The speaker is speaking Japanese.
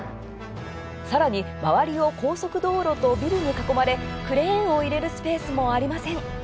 さらに周りを高速道路とビルに囲まれクレーンを入れるスペースもありません。